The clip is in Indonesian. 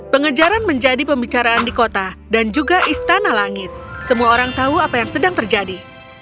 pengejaran menjadi pembicaraan di kota dan juga istana langit semua orang tahu apa yang sedang terjadi